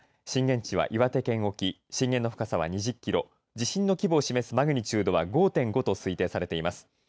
震源地は岩手県沖震源の深さは２０キロ地震の規模を示すマグニチュードは５．５と推定されています。